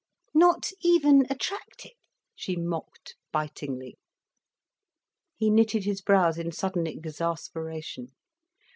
"Not even attractive?" she mocked, bitingly. He knitted his brows in sudden exasperation.